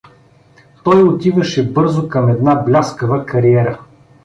Той отиваше бързо към една бляскава кариера.